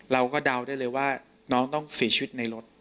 เราก็ดาวน์ได้เลยว่าน้องต้องฝีชีวิตในรถ